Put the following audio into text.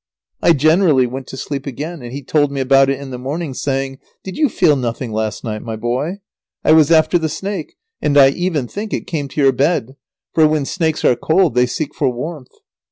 I generally went to sleep again, and he told me about it in the morning, saying: "Did you feel nothing last night, my boy? I was after the snake, and I even think it came to your bed, for when snakes are cold they seek for warmth."